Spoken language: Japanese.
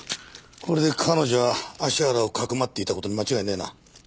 これで彼女が芦原をかくまっていた事に間違いねえな。